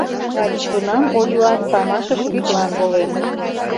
Лач тунам Олюат памашыш вӱдлан волен.